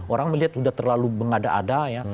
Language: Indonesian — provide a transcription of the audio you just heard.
orang melihat sudah terlalu mengada ada ya